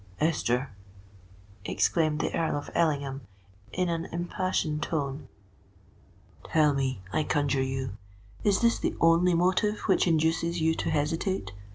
"Esther," exclaimed the Earl of Ellingham, in an impassioned tone, "tell me—I conjure you—is this the only motive which induces you to hesitate?